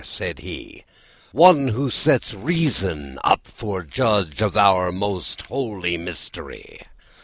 said he: 'One who sets reason up for judge Of our most holy mystery.